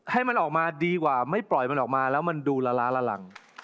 ให้มันออกมาดีกว่าไม่ปล่อยมันออกมาแล้วมันดูละล้าละหลัง